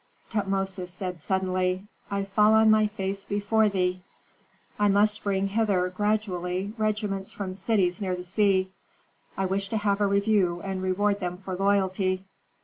Tutmosis said suddenly, "I fall on my face before thee." "I must bring hither, gradually, regiments from cities near the sea. I wish to have a review and reward them for loyalty."